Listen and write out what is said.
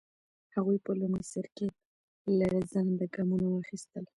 هغوی په لومړي سر کې لړزانده ګامونه واخیستل.